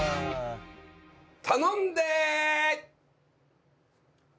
頼んで。